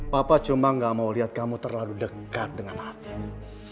papa cuma gak mau lihat kamu terlalu dekat dengan hatinya